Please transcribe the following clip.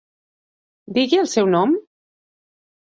Digui'l el seu nom?